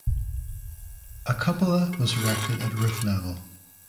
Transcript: A cupola was erected at roof level.